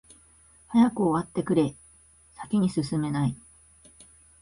早く終わってくれ、先に進めない。